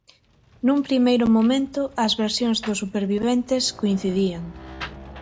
Nun primeiro momento, as versións dos superviventes coincidían.